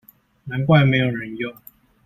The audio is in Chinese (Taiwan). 難怪沒有人用